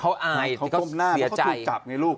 เขาอายเขาเสียใจเขาก้มหน้าเขาถูกจับไงลูก